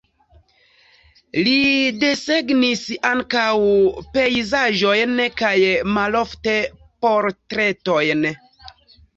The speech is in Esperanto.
Li desegnis ankaŭ pejzaĝojn kaj malofte portretojn.